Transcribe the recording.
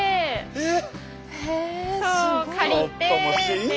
えっ！